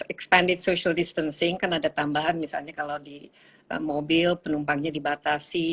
expanded social distancing kan ada tambahan misalnya kalau di mobil penumpangnya dibatasi